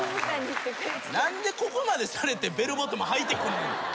何でここまでされてベルボトムはいてくんねん。